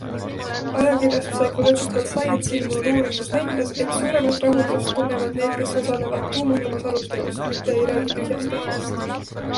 Ajakirjas Psychological Science ilmunud uurimus näitas, et suuremat rahuldust tunnevad need, kes osalevad tuumakamas arutelus, mitte ei räägi tühjast-tähjast.